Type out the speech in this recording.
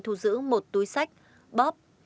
thu giữ một túi sách bóp